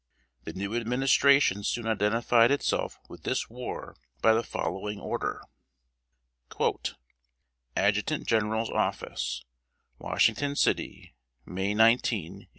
The new Administration soon identified itself with this war by the following order: "ADJUTANT GENERAL'S OFFICE, Washington City, May 19, 1841."